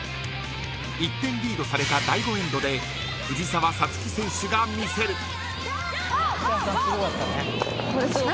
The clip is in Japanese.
１点リードされた第５エンドで藤澤五月選手が見せる。